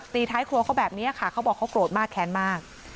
ตีท้ายครัวเขาแบบนี้ค่ะเขาบอกเขาโกรธมากแค้นมาก